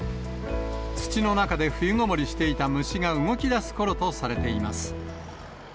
土の中で冬ごもりしていた虫が動きだすころとされています。